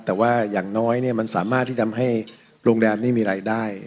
แต่ว่าอย่างน้อยมันสามารถที่ทำให้โรงแรมนี้มีรายได้